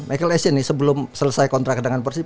michael asian nih sebelum selesai kontrak dengan persib